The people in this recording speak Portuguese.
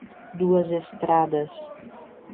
Duas Estradas